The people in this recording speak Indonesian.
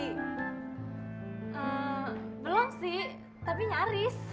belum sih tapi nyaris